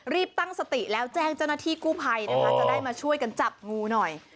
ตั้งสติแล้วแจ้งเจ้าหน้าที่กู้ภัยนะคะจะได้มาช่วยกันจับงูหน่อย